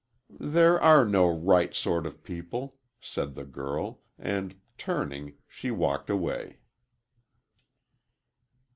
"There are no right sort of people," said the girl, and, turning, she walked away.